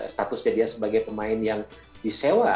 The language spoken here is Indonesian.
status jadinya sebagai pemain yang disewa